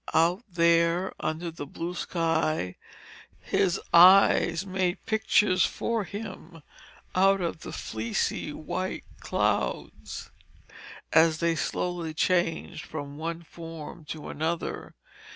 Out there, under the blue sky, his eyes made pictures for him out of the fleecy white clouds as they slowly changed from one form to another.